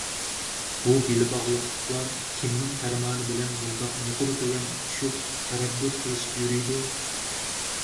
بۇ بېلى باغلاقلىقلىرى كىمنىڭ پەرمانى بىلەن بۇنداق يۇقىرى - تۆۋەن ئۇچۇشۇپ تەرەددۇت قىلىشىپ يۈرىدۇ؟